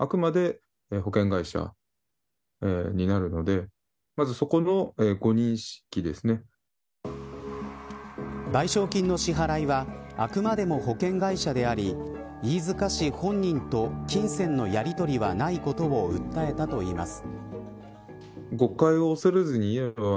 殺害予告をした人物に対して松永さんは。賠償金の支払いはあくまでも保険会社であり飯塚氏本人と金銭のやりとりはないことを訴えたといいます。